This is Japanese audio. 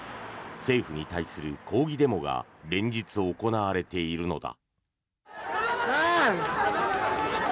政府に対する抗議デモが連日、行われているのだ。